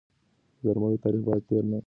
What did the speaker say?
د درملو تاریخ باید تېر نه وي.